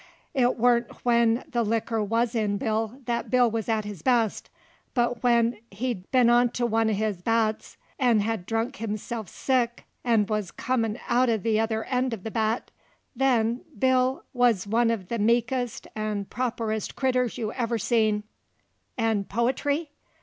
It warn't when the likker wuz in Bill that Bill wuz at his best, but when he hed been on to one uv his bats 'nd had drunk himself sick 'nd wuz comin' out uv the other end of the bat, then Bill wuz one uv the meekest 'nd properest critters you ever seen. An' po'try?